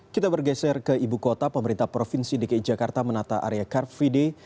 kita bergeser ke ibu kota pemerintah provinsi dki jakarta menata area car free day